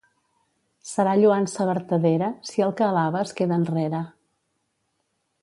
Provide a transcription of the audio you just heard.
Serà lloança vertadera, si el que alaba es queda enrere.